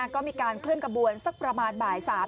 ก็มีการเคลื่อนกระบวนสักประมาณบ่าย๓